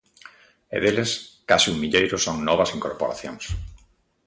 E deles, case un milleiro son novas incorporacións.